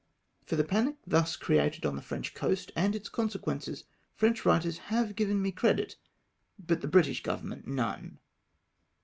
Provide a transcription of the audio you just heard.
For the panic thus created on the French coast, and its consequences, French writers have given me credit, but the British Govern ment none